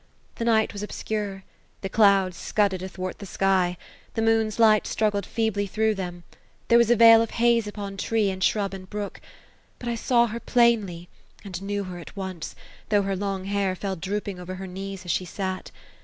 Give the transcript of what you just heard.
The night was ob scure ; the clouds scudded athwart the sky ;— the moon's light struggled feebly through them ; there was a veil of haze upon tree, and shrub, and brook ; but I saw her plainly, and knew her at once, though her long hair fell drooping over her knees as she sat.